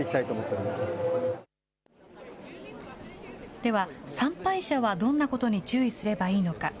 では、参拝者はどんなことに注意すればいいのか。